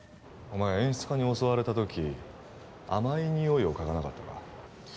お前演出家に襲われた時甘い匂いを嗅がなかったか？